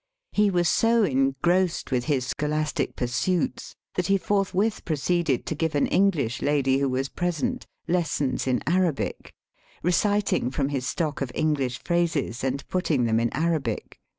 He was so engrossed with liis scholastic pur suits that he forthwith proceeded to give an English lady who was present lessons in Arabic, reciting from his stock of English phrases, and putting them in Arabic.